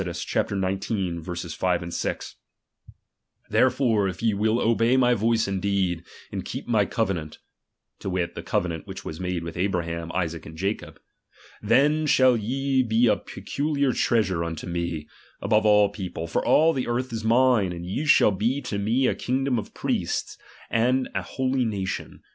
xis. 5, 6) : Therefore if ye will obey my voice indeed, and keep my covenant, (to wit, that covenant which was made with Abraham, Isaac and Jacob) ; then shall ye he a peculiar treasure nnto me, above all people ; for all the earth is mine, and ye shall be to me a kingdom of priests, and an holy nation.